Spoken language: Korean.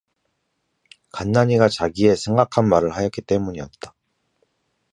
간난이가 자기의 생각한 말을 하였기 때문이었다.